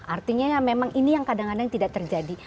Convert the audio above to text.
artinya ya memang ini yang kadang kadang tidak terjadi